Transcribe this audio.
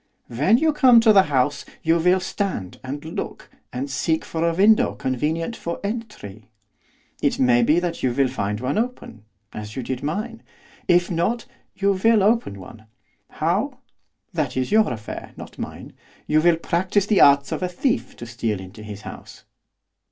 'When you come to the house, you will stand, and look, and seek for a window convenient for entry. It may be that you will find one open, as you did mine; if not, you will open one. How, that is your affair, not mine. You will practise the arts of a thief to steal into his house.